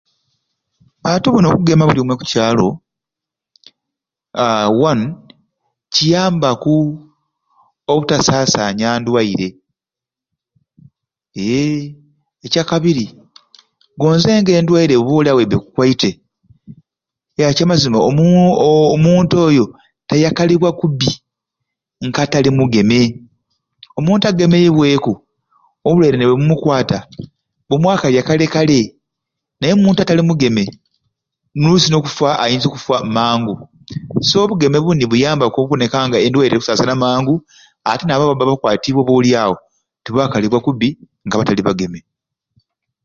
Ati buni okugema buli omwe oku kyalo aa wanu kinyambaku obutasaasanya ndwaire eee ekyakabiri gonza ng'endwaire ob'olyawo ekukwaite aa kyamazima omuntu oo omuntu oyo tayakalibwa kubbi nk'atali mugeme omuntu agemeibweku obulwaire ni bumukwata bumwakalya kale kale naye omuntu atali mugeme n'oluusi okufa ayinza okufa amangu so obugeme buni buyabaku okuboneka nga endwaire obutasaana mangu ate naabo ababba bakwatiibwe ob'olyawo tibakalibwa kubbi ka batali bagemebwe.